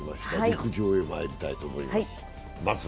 陸上へまいりたいと思います。